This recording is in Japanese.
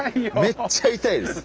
めっちゃ痛いです